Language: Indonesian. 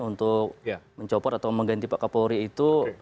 untuk mencopot atau mengganti pak kapolri itu